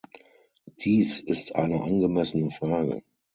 Dies ist eine angemessene Frage.